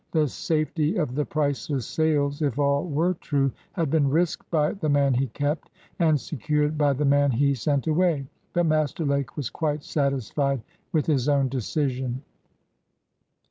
The safety of the priceless sails, if all were true, had been risked by the man he kept, and secured by the man he sent away, but Master Lake was quite satisfied with his own decision.